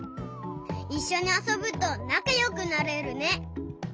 いっしょにあそぶとなかよくなれるね！